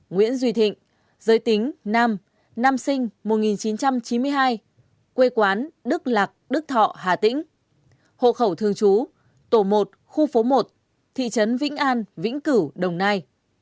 nguyễn duy thịnh giới tính nam nam sinh năm một nghìn chín trăm chín mươi hai quê quán đức lạc đức thọ hà tĩnh hộ khẩu thường trú tổ một khu phố một thị trấn vĩnh an vĩnh cửu đồng nai